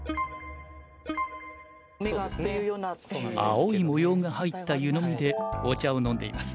青い模様が入った湯飲みでお茶を飲んでいます。